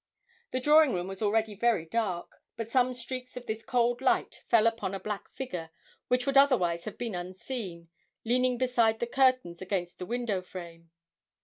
The drawing room was already very dark; but some streaks of this cold light fell upon a black figure, which would otherwise have been unseen, leaning beside the curtains against the window frame.